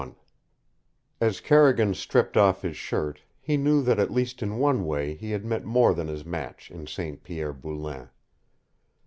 XXI As Carrigan stripped off his shirt, he knew that at least in one way he had met more than his match in St. Pierre Boulain.